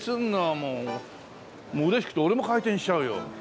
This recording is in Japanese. もう嬉しくて俺も回転しちゃうよ。